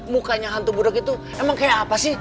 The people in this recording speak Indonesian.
mukanya hantu buruk itu emang kayak apa sih